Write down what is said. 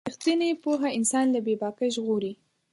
رښتینې پوهه انسان له بې باکۍ ژغوري.